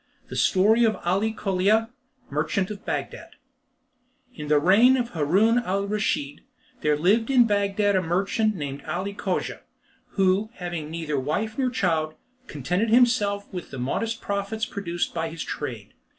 The Story of Ali Colia, Merchant of Bagdad In the reign of Haroun al Raschid, there lived in Bagdad a merchant named Ali Cogia, who, having neither wife nor child, contented himself with the modest profits produced by his trade.